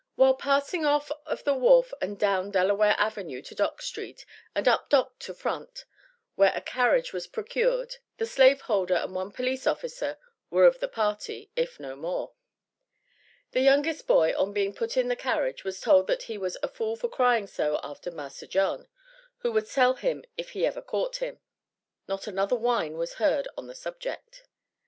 While passing off of the wharf and down Delaware avenue to Dock st., and up Dock to Front, where a carriage was procured, the slaveholder and one police officer were of the party, if no more. The youngest boy on being put in the carriage was told that he was "a fool for crying so after 'Massa John,' who would sell him if he ever caught him." Not another whine was heard on the subject.